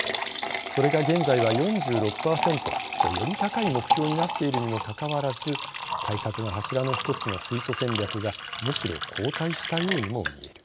それが現在は４６％とより高い目標になっているにもかかわらず対策の柱の１つの水素戦略がむしろ後退したようにも見える。